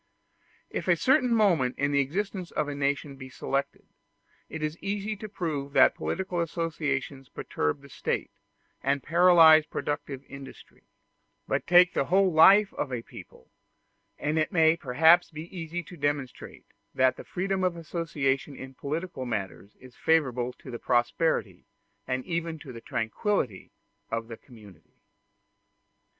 If a certain moment in the existence of a nation be selected, it is easy to prove that political associations perturb the State, and paralyze productive industry; but take the whole life of a people, and it may perhaps be easy to demonstrate that freedom of association in political matters is favorable to the prosperity and even to the tranquillity of the community.